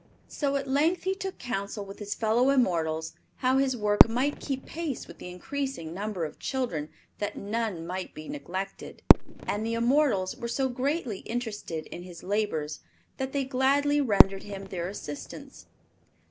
So at length he took counsel with his fellow immortals how his work might keep pace with the increasing number of children that none might be neglected. And the immortals were so greatly interested in his labors that they gladly rendered him their assistance.